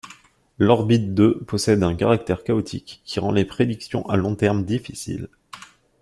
L'orbite de possède un caractère chaotique qui rend les prédictions à long terme difficiles.